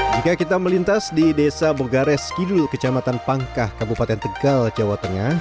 jika kita melintas di desa bogares kidul kecamatan pangkah kabupaten tegal jawa tengah